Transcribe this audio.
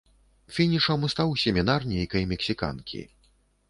Фінішам стаў семінар нейкай мексіканкі.